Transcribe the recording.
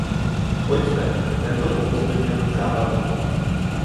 Pojďte, tento pokus by měl být zábavný!